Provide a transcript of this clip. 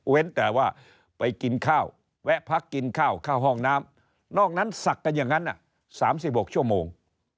แต่ว่าไปกินข้าวแวะพักกินข้าวเข้าห้องน้ำนอกนั้นศักดิ์กันอย่างนั้น๓๖ชั่วโมง